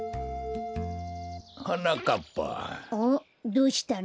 どうしたの？